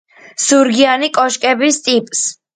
ზურგიანი კოშკების ტიპს.